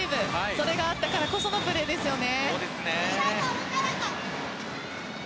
それがあったからこそのプレーですよね。